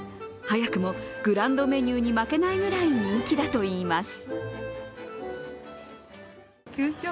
早くもグランドメニューに負けないぐらい人気だといいます。